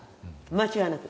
間違いなく。